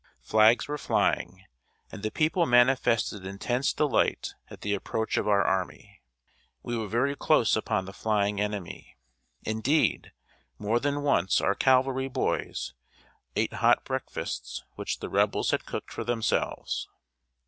Flags were flying, and the people manifested intense delight at the approach of our army. We were very close upon the flying enemy; indeed, more than once our cavalry boys ate hot breakfasts which the Rebels had cooked for themselves.